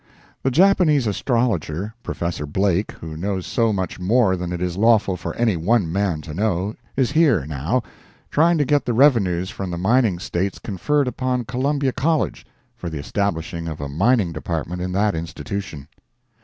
The Japanese astrologer, Prof. Blake, who knows so much more than it is lawful for any one man to know, is here, now, trying to get the revenues from the mining States conferred upon Columbia College, for the establishing of a mining department in that institution.